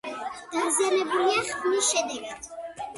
დაზიანებულია ხვნის შედეგად.